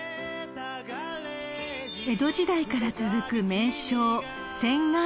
［江戸時代から続く］